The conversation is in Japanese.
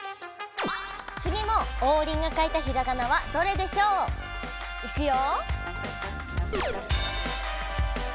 つぎもオウリンが書いたひらがなはどれでしょう？いくよ。